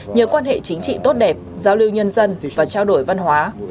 nhờ quan hệ chính trị tốt đẹp giao lưu nhân dân và trao đổi văn hóa